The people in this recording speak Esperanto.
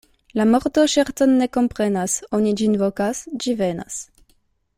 La morto ŝercon ne komprenas: oni ĝin vokas, ĝi venas.